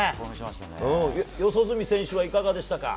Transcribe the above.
四十住選手はいかがでしたか？